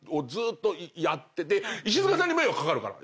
で石塚さんに迷惑掛かるから。